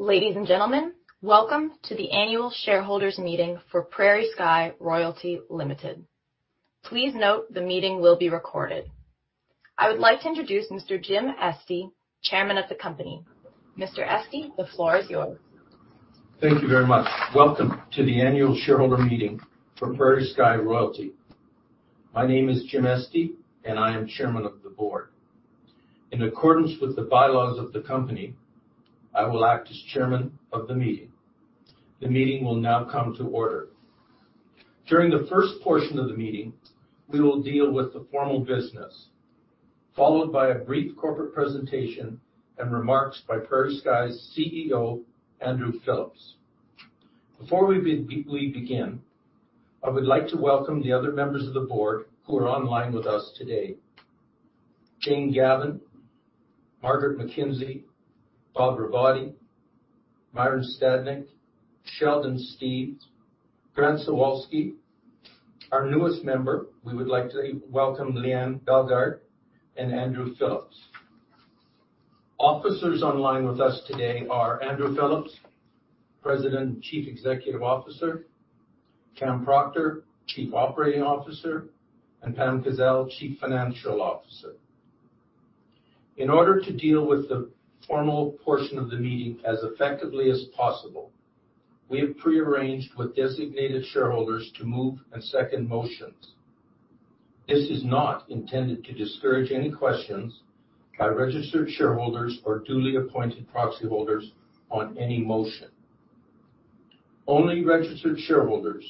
Ladies and gentlemen, welcome to the annual shareholders meeting for PrairieSky Royalty Ltd. Please note the meeting will be recorded. I would like to introduce Mr. Jim Estey, Chairman of the company. Mr. Estey, the floor is yours. Thank you very much. Welcome to the annual shareholder meeting for PrairieSky Royalty. My name is Jim Estey, and I am Chairman of the Board. In accordance with the bylaws of the company, I will act as Chairman of the meeting. The meeting will now come to order. During the first portion of the meeting, we will deal with the formal business, followed by a brief corporate presentation and remarks by PrairieSky Royalty's CEO, Andrew Phillips. Before we begin, I would like to welcome the other members of the Board who are online with us today. Jane Gavan, Margaret McKenzie, Bob Rivett, Myron Stadnyk, Sheldon Steeves, Grant Zawalsky, our newest member. We would like to welcome Leanne Bellegarde, and Andrew Phillips. Officers online with us today are Andrew Phillips, President and Chief Executive Officer, Cam Proctor, Chief Operating Officer, and Pam Kazeil, Chief Financial Officer. In order to deal with the formal portion of the meeting as effectively as possible, we have prearranged with designated shareholders to move and second motions. This is not intended to discourage any questions by registered shareholders or duly appointed proxy holders on any motion. Only registered shareholders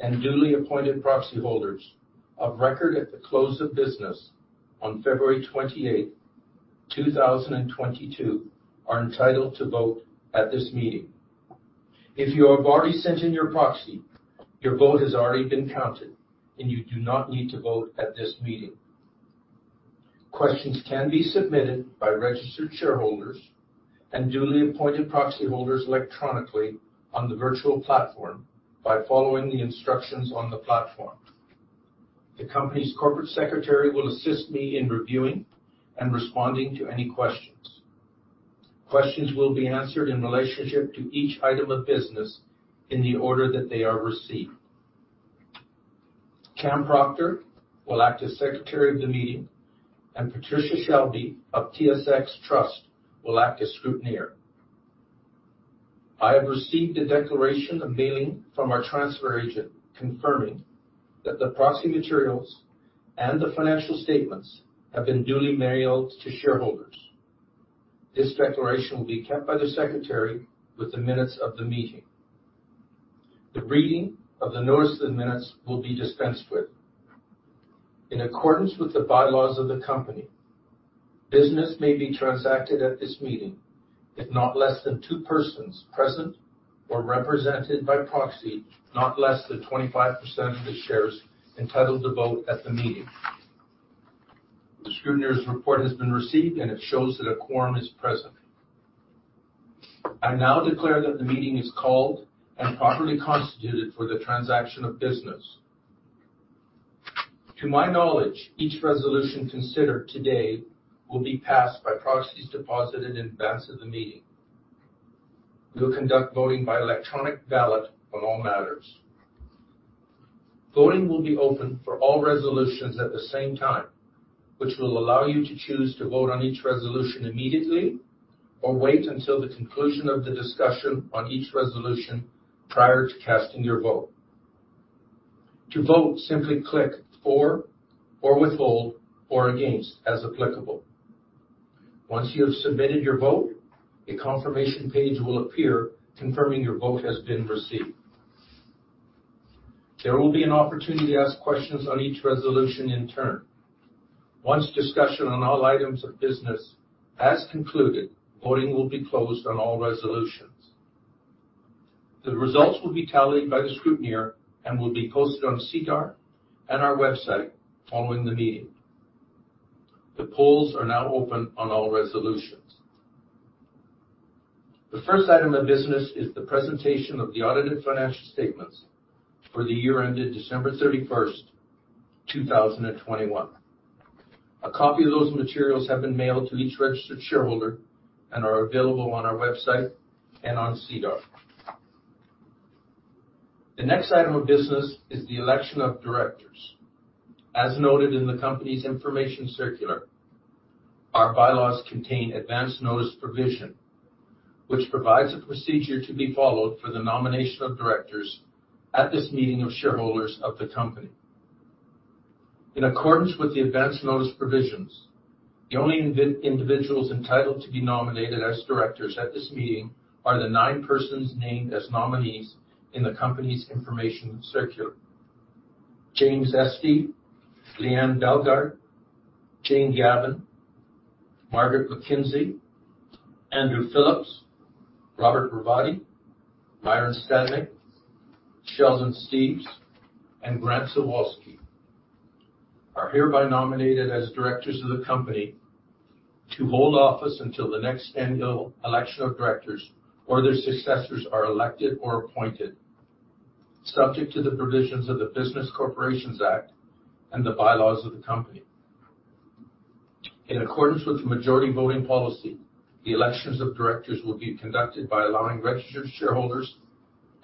and duly appointed proxy holders of record at the close of business on February 28th, 2022 are entitled to vote at this meeting. If you have already sent in your proxy, your vote has already been counted, and you do not need to vote at this meeting. Questions can be submitted by registered shareholders and duly appointed proxy holders electronically on the virtual platform by following the instructions on the platform. The company's Corporate Secretary will assist me in reviewing and responding to any questions. Questions will be answered in relation to each item of business in the order that they are received. Cam Proctor will act as Secretary of the meeting, and Patricia Shelby of TSX Trust will act as scrutineer. I have received a declaration of mailing from our transfer agent confirming that the proxy materials and the financial statements have been duly mailed to shareholders. This declaration will be kept by the secretary with the minutes of the meeting. The reading of the notice of the meeting will be dispensed with. In accordance with the bylaws of the company, business may be transacted at this meeting if not less than two persons are present or represented by proxy, not less than 25% of the shares entitled to vote at the meeting. The scrutineer's report has been received, and it shows that a quorum is present. I now declare that the meeting is called and properly constituted for the transaction of business. To my knowledge, each resolution considered today will be passed by proxies deposited in advance of the meeting. We will conduct voting by electronic ballot on all matters. Voting will be open for all resolutions at the same time, which will allow you to choose to vote on each resolution immediately or wait until the conclusion of the discussion on each resolution prior to casting your vote. To vote, simply click for, or withhold, or against as applicable. Once you have submitted your vote, a confirmation page will appear confirming your vote has been received. There will be an opportunity to ask questions on each resolution in turn. Once discussion on all items of business has concluded, voting will be closed on all resolutions. The results will be tallied by the scrutineer and will be posted on SEDAR and our website following the meeting. The polls are now open on all resolutions. The first item of business is the presentation of the audited financial statements for the year ended December 31st, 2021. A copy of those materials have been mailed to each registered shareholder and are available on our website and on SEDAR. The next item of business is the election of Directors. As noted in the company's information circular, our bylaws contain advance notice provision, which provides a procedure to be followed for the nomination of Directors at this meeting of shareholders of the company. In accordance with the advance notice provisions, the only individuals entitled to be nominated as Directors at this meeting are the nine persons named as nominees in the company's information circular. James Estey, Leanne Bellegarde, Jane Gavan, Margaret McKenzie, Andrew Phillips, Robert Rivett, Myron Stadnyk, Sheldon Steeves, and Grant Zawalsky are hereby nominated as Directors of the company to hold office until the next annual election of Directors or their successors are elected or appointed, subject to the provisions of the Business Corporations Act and the bylaws of the company. In accordance with the majority voting policy, the elections of Directors will be conducted by allowing registered shareholders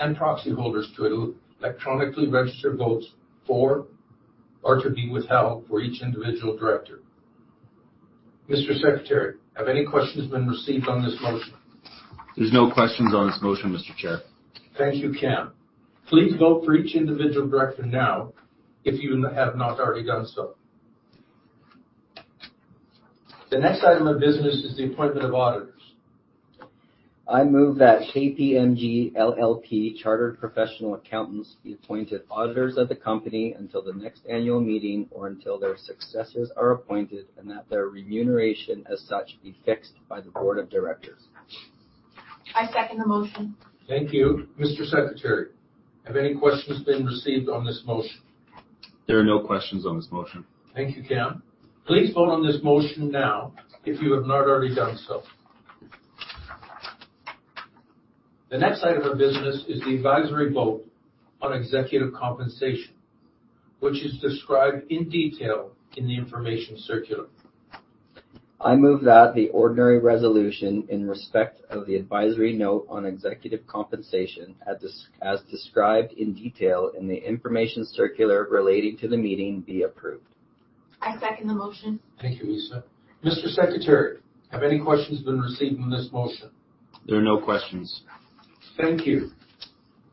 and proxy holders to electronically register votes for or to be withheld for each individual Director. Mr. Secretary, have any questions been received on this motion? There's no questions on this motion, Mr. Chair. Thank you, Cam. Please vote for each individual Director now if you have not already done so. The next item of business is the appointment of auditors. I move that KPMG LLP Chartered Professional Accountants be appointed auditors of the company until the next annual meeting or until their successors are appointed, and that their remuneration as such be fixed by the Board of Directors. I second the motion. Thank you. Mr. Secretary, have any questions been received on this motion? There are no questions on this motion. Thank you, Cam. Please vote on this motion now if you have not already done so. The next item of business is the advisory vote on executive compensation, which is described in detail in the information circular. I move that the ordinary resolution in respect of the advisory vote on executive compensation, as described in detail in the information circular relating to the meeting, be approved. I second the motion. Thank you, Lisa. Mr. Secretary, have any questions been received on this motion? There are no questions. Thank you.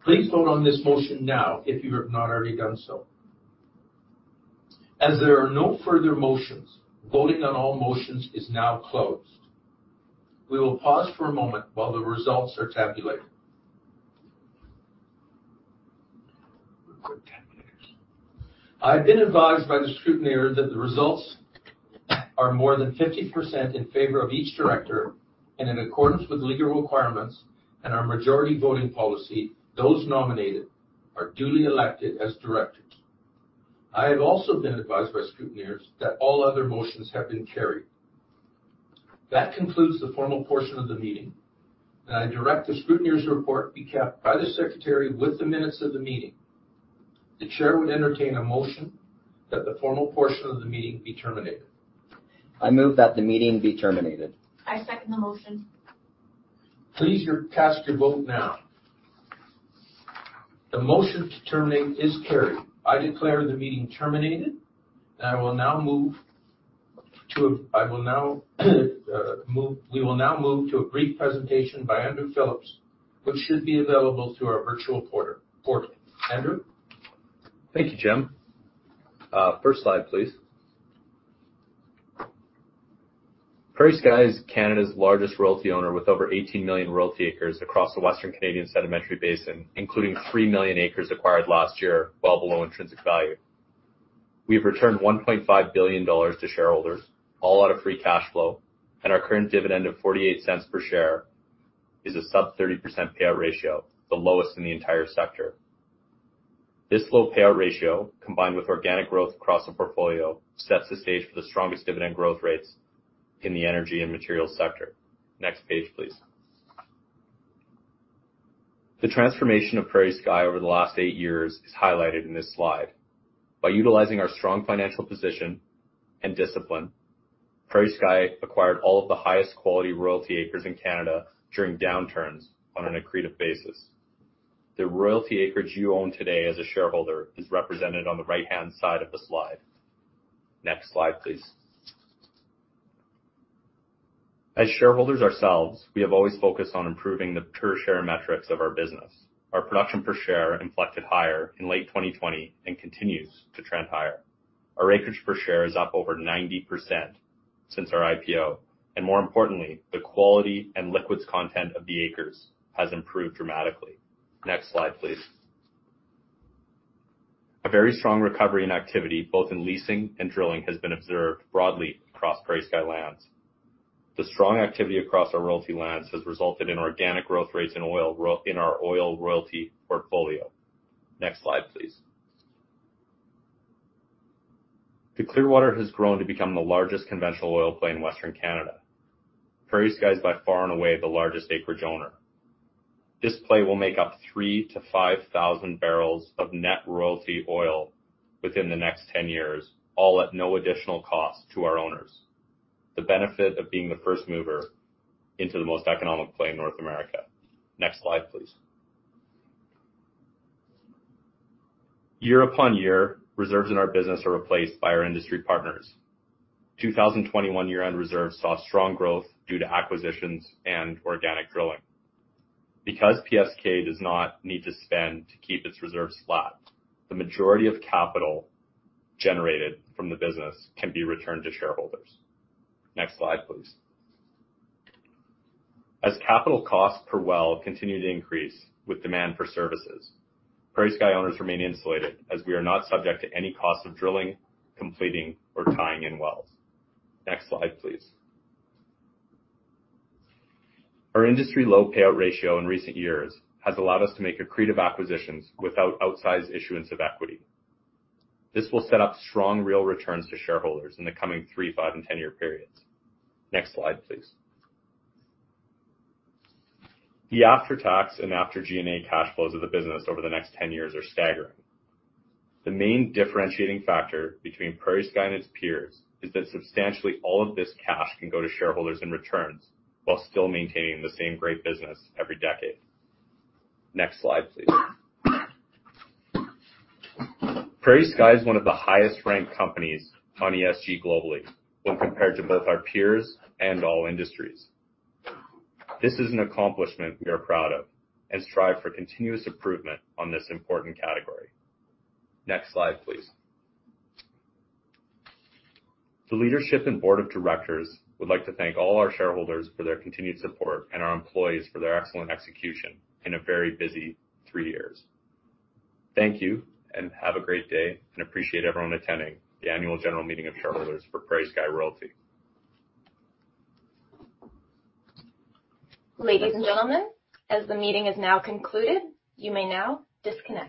Please vote on this motion now if you have not already done so. As there are no further motions, voting on all motions is now closed. We will pause for a moment while the results are tabulated. We're good tabulators. I've been advised by the scrutineer that the results are more than 50% in favor of each Director and in accordance with legal requirements and our majority voting policy, those nominated are duly elected as Directors. I have also been advised by scrutineers that all other motions have been carried. That concludes the formal portion of the meeting, and I direct the scrutineer's report be kept by the secretary with the minutes of the meeting. The Chair would entertain a motion that the formal portion of the meeting be terminated. I move that the meeting be terminated. I second the motion. Please cast your vote now. The motion to terminate is carried. I declare the meeting terminated, and we will now move to a brief presentation by Andrew Phillips, which should be available through our virtual portal. Andrew? Thank you, Jim. First slide, please. PrairieSky is Canada's largest royalty owner with over 18 million royalty acres across the Western Canadian Sedimentary Basin, including 3 million acres acquired last year, well below intrinsic value. We have returned 1.5 billion dollars to shareholders, all out of free cash flow, and our current dividend of 0.48 per share is a sub-30% payout ratio, the lowest in the entire sector. This low payout ratio, combined with organic growth across the portfolio, sets the stage for the strongest dividend growth rates in the energy and materials sector. Next page, please. The transformation of PrairieSky over the last eight years is highlighted in this slide. By utilizing our strong financial position and discipline, PrairieSky acquired all of the highest quality royalty acres in Canada during downturns on an accretive basis. The royalty acreage you own today as a shareholder is represented on the right-hand side of the slide. Next slide, please. As shareholders ourselves, we have always focused on improving the per-share metrics of our business. Our production per share inflected higher in late 2020 and continues to trend higher. Our acreage per share is up over 90% since our IPO, and more importantly, the quality and liquids content of the acres has improved dramatically. Next slide, please. A very strong recovery in activity, both in leasing and drilling, has been observed broadly across PrairieSky lands. The strong activity across our royalty lands has resulted in organic growth rates in our oil royalty portfolio. Next slide, please. The Clearwater has grown to become the largest conventional oil play in Western Canada. PrairieSky is by far and away the largest acreage owner. This play will make up 3,000-5,000 barrels of net royalty oil within the next 10 years, all at no additional cost to our owners. The benefit of being the first mover into the most economic play in North America. Next slide, please. Year-upon-year, reserves in our business are replaced by our industry partners. 2021 year-end reserves saw strong growth due to acquisitions and organic drilling. Because PSK does not need to spend to keep its reserves flat, the majority of capital generated from the business can be returned to shareholders. Next slide, please. As capital costs per well continue to increase with demand for services, PrairieSky owners remain insulated as we are not subject to any cost of drilling, completing, or tying in wells. Next slide, please. Our industry-low payout ratio in recent years has allowed us to make accretive acquisitions without outsized issuance of equity. This will set up strong real returns to shareholders in the coming three, five, and 10-year periods. Next slide, please. The after-tax and after G&A cash flows of the business over the next 10 years are staggering. The main differentiating factor between PrairieSky and its peers is that substantially all of this cash can go to shareholders in returns while still maintaining the same great business every decade. Next slide, please. PrairieSky is one of the highest-ranked companies on ESG globally when compared to both our peers and all industries. This is an accomplishment we are proud of and strive for continuous improvement on this important category. Next slide, please. The leadership and Board of Directors would like to thank all our shareholders for their continued support and our employees for their excellent execution in a very busy three years. Thank you, and have a great day and appreciate everyone attending the annual general meeting of shareholders for PrairieSky Royalty. Ladies and gentlemen, as the meeting is now concluded, you may now disconnect.